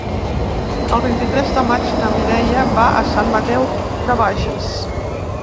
El vint-i-tres de maig na Mireia va a Sant Mateu de Bages.